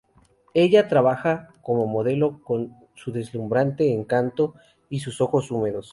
Ella trabaja como modelo con su deslumbrante encanto y sus ojos húmedos.